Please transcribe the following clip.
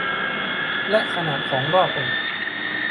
และขนาดของรอบอก